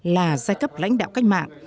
là giai cấp lãnh đạo cách mạng